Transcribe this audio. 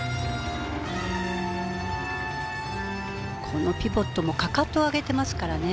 このピボットもかかとを上げてますからね。